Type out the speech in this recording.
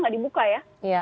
tidak dibuka ya